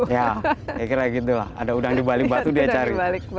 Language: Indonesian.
ya saya kira gitu lah ada udang dibalik batu dia cari